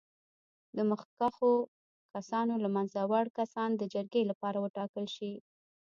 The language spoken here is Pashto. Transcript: د مخکښو کسانو له منځه وړ کسان د جرګې لپاره وټاکل شي.